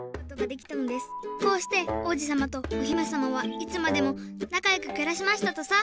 こうしておうじさまとおひめさまはいつまでもなかよくくらしましたとさ。